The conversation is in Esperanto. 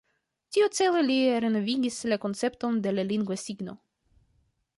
Tiucele li renovigis la koncepton de la lingva signo.